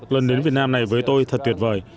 lần đến việt nam này với tôi thật tuyệt vời